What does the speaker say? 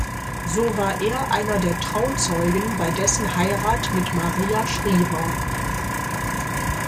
So war er einer der Trauzeugen bei dessen Heirat mit Maria Shriver.